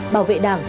bảo vệ đảng